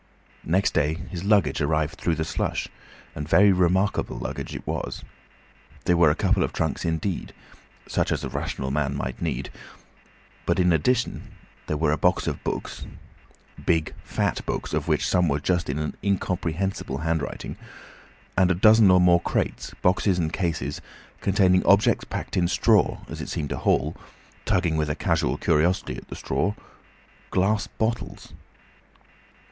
Next day his luggage arrived through the slush—and very remarkable luggage it was. There were a couple of trunks indeed, such as a rational man might need, but in addition there were a box of books—big, fat books, of which some were just in an incomprehensible handwriting—and a dozen or more crates, boxes, and cases, containing objects packed in straw, as it seemed to Hall, tugging with a casual curiosity at the straw—glass bottles.